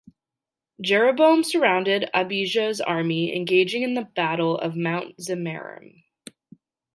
Jeroboam surrounded Abijah's army, engaging in the battle of Mount Zemaraim.